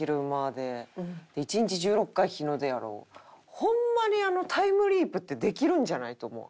ホンマにタイムリープってできるんじゃないと思わん？